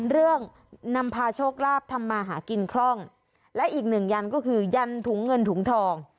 นำพาโชคลาภทำมาหากินคล่องและอีกหนึ่งยันก็คือยันถุงเงินถุงทอง